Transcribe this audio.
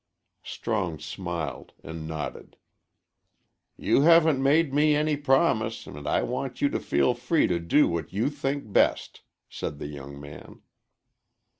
Strong smiled and nodded. "You haven't made me any promise, and I want you to feel free to do what you think best," said the young man.